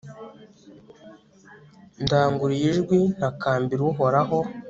ndanguruye ijwi ntakambira uhoraho